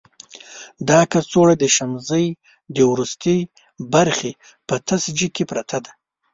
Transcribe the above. دا کڅوړه د شمزۍ د وروستي برخې په تش ځای کې پرته ده.